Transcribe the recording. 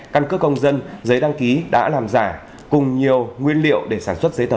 căn cước công dân giấy đăng ký đã làm giả